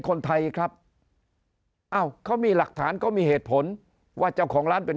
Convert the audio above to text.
คนไทยครับอ้าวเขามีหลักฐานเขามีเหตุผลว่าเจ้าของร้านเป็น